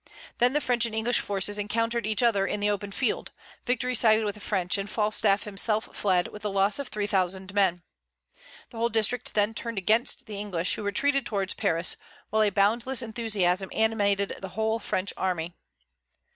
Then the French and English forces encountered each other in the open field: victory sided with the French; and Falstaff himself fled, with the loss of three thousand men. The whole district then turned against the English, who retreated towards Paris; while a boundless enthusiasm animated the whole French army.